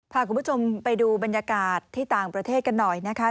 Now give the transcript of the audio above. พาคุณผู้ชมไปดูบรรยากาศที่ต่างประเทศกันหน่อยนะคะ